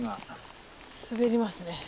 滑りますね。